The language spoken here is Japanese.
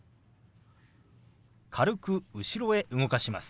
軽く後ろへ動かします。